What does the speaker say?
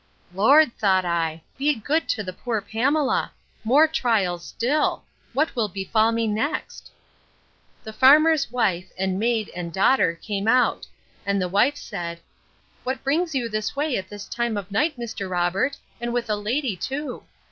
Lord, thought I, be good to the poor Pamela! More trials still!—What will befall me next? The farmer's wife, and maid, and daughter, came out; and the wife said, What brings you this way at this time of night, Mr. Robert? And with a lady too?